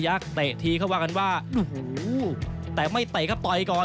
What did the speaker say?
เตะทีเขาว่ากันว่าโอ้โหแต่ไม่เตะครับต่อยก่อน